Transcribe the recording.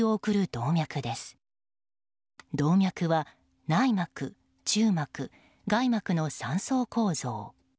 動脈は内膜、中膜、外膜の３層構造。